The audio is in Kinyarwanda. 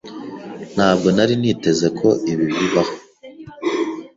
Ntabwo nari niteze ko ibi bibaho.